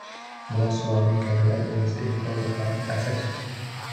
Gross working capital is equal to current assets.